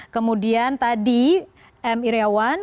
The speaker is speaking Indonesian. kemudian tadi m iryawan